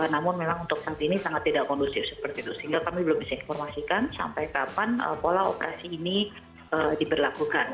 namun memang untuk saat ini sangat tidak kondusif seperti itu sehingga kami belum bisa informasikan sampai kapan pola operasi ini diberlakukan